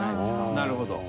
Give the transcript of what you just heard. なるほど。